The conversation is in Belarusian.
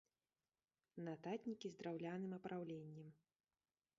Нататнікі з драўляным апраўленнем.